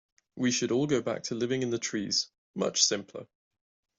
We should all go back to living in the trees, much simpler.